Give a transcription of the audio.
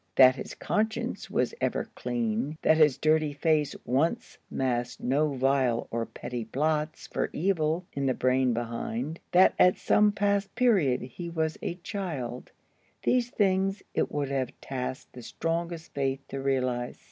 That his conscience was ever clean, that his dirty face once masked no vile or petty plots for evil in the brain behind, that at some past period he was a child,—these things it would have tasked the strongest faith to realize.